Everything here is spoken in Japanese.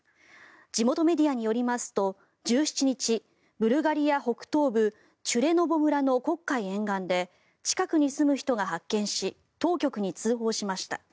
地元メディアによりますと１７日ブルガリア北東部チュレノボ村の黒海沿岸で近くに住む人が発見し当局に通報しました。